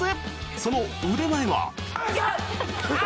その腕前は？